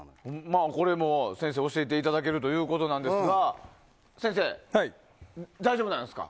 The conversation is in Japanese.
これも先生に教えていただけるということなんですが先生、大丈夫ですか？